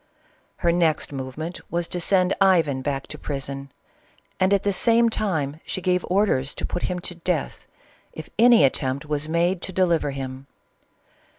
Her next movement was to send Ivan back to prison, and at the same time she gave orders to put him to death, if any attempt was made to deliver him.